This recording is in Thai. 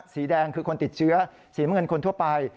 สีแดงคือคนติดเชื้อสีเหมือนคนทั่วไป